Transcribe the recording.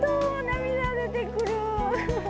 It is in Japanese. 涙が出てくる。